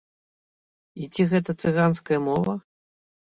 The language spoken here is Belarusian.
І ці гэта цыганская мова?